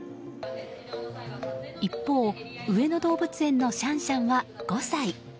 一方、上野動物園のシャンシャンは５歳。